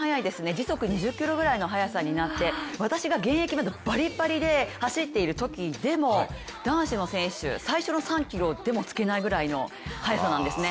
時速２０キロぐらいの速さになって私がまだ現役でばりばりで走っているときでも男子の選手、最初の３ｋｍでもつけないぐらいの速さなんですね。